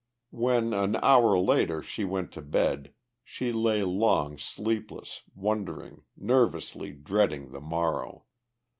When, an hour later, she went to bed, she lay long sleepless, wondering, nervously dreading the morrow.